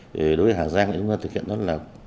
đối với hà giang chúng ta thực hiện đó là